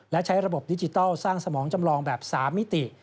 และใช้ระบบดิจิทัลสร้างสมองจำลองแบบ๓มิติ